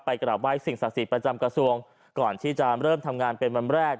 กลับไห้สิ่งศักดิ์สิทธิ์ประจำกระทรวงก่อนที่จะเริ่มทำงานเป็นวันแรก